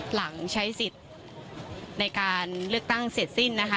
หลังใช้สิทธิ์ในการเลือกตั้งเสร็จสิ้นนะคะ